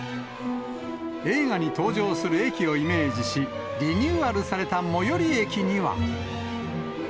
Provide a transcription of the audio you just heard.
映画に登場する駅をイメージし、リニューアルされた最寄り駅には。